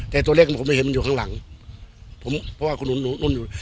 แต่ตัวเลขผมไม่เห็นมันอยู่ข้างหลังผมเพราะว่าคุณนุ่นนุ่นอยู่